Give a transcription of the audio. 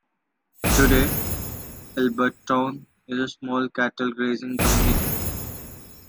Today, Alberton is a small cattle grazing community.